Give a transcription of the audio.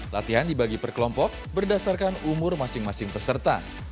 latihan dibagi perkelompok berdasarkan umur masing masing peserta